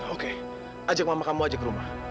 oke ajang mama kamu aja ke rumah